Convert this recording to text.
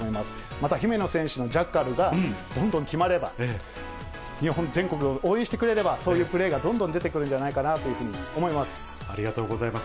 また姫野選手のジャッカルがどんどん決まれば、日本全国、応援してくれれば、そういうプレーがどんどん出てくるんじゃないかなというふうに思ありがとうございます。